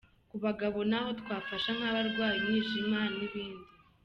Ku bagabo na ho twafasha nk’abarwaye umwijima n’ibindi.